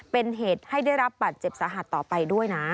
เป็นเหตุให้ได้รับบัตรเจ็บสาหัสต่อไปด้วยนะ